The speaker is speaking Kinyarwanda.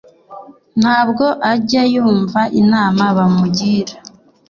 ntabwo ajya yumva inama bamugira